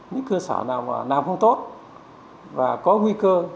những cơ sở nào không tốt và có nguy cơ